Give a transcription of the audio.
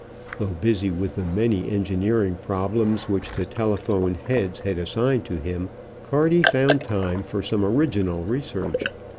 Though busy with the many engineering problems which the telephone heads had assigned to him, Carty found time for some original research.